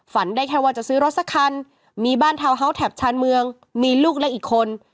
ได้แค่ว่าจะซื้อรถสักคันมีบ้านทาวน์เฮาส์แถบชานเมืองมีลูกเล็กอีกคน